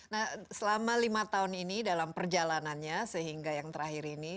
nah selama lima tahun ini dalam perjalanannya sehingga yang terakhir ini